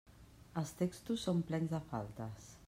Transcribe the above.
Els textos són plens de faltes.